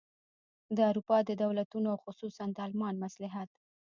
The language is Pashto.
د اروپا د دولتونو او خصوصاً د المان مصلحت.